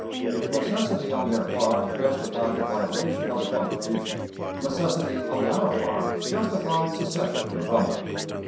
If necessity on their part justified a violation of the Constitution, necessity on our part justified secession from them.